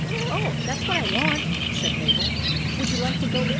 "Oh, that's what I want," said Mabel. Would you like to go with me, Dollie